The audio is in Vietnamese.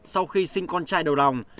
sau khi sinh con trai đầu tiên